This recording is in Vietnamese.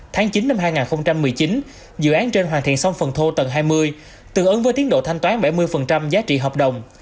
tháng chín năm hai nghìn một mươi chín dự án trên hoàn thiện xong phần thô tầng hai mươi tự ứng với tiến độ thanh toán bảy mươi giá trị hợp đồng